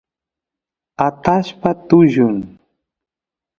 atashpa tullun